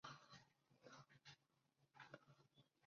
翅果藤为萝藦科翅果藤属下的一个种。